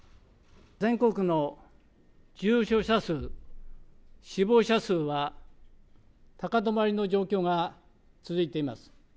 全国の重症者数、死亡者数は、高止まりの状況が続いています。